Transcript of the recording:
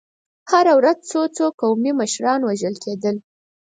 هره ورځ څو څو قومي مشران وژل کېدل.